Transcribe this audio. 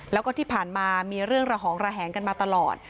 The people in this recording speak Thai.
แล้วก็ที่ผ่านมามีเรื่องระหองระแหงกันมาตลอด